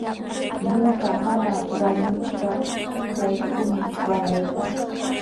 Ñuqa mamaa wañunqanraykumi waqaykaa.